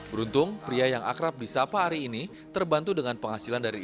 beruntung pria yang akrab di sapa hari ini terbantu dengan penghasilan dari